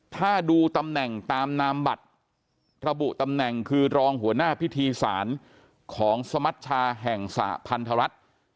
ถ้าดูตำแหน่งตามนามบัตรระบุตำแหน่งคือรองหัวหน้าพิธีศาลของสมัชชาแห่งสหพันธรัฐ